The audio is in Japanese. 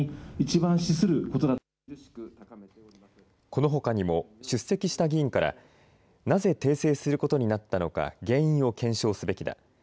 このほかにも出席した議員からなぜ訂正することになったのか原因を検証すべきだ。